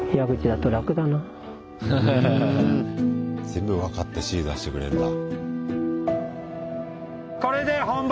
全部分かって指示出してくれるんだ。